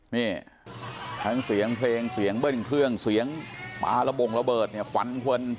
นี่ทั้งเสียงเพลงเสียงเบิ้ลเครื่องเสียงปลาระบงระเบิดเนี่ยควันควัน